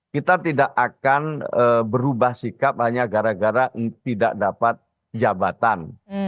kita tidak akan berubah sikap hanya gara gara tidak dapat jabatan